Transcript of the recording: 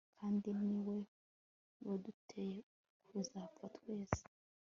kandi ni we waduteye kuzapfa twese